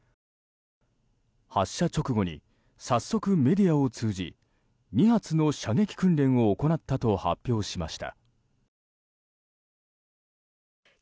発射直後に早速メディアを通じ２発の射撃訓練を行ったと発表しました。